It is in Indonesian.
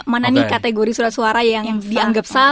mana nih kategori surat suara yang dianggap sah